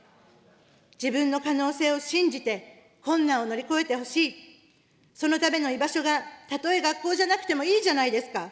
自分の可能性を信じて、困難を乗り越えてほしい、そのための居場所がたとえ学校じゃなくてもいいじゃないですか。